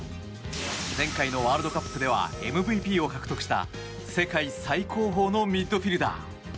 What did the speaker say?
前回のワールドカップではＭＶＰを獲得した世界最高峰のミッドフィールダー。